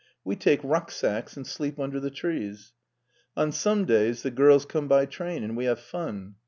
We take rucksacks and sleep under the trees. On some days the girls come by train and we have fun."